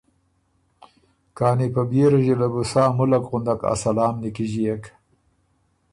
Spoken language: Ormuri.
کانی په بيې رݫي له بو سا ملّک غندک ا سلام نیکیݫيېک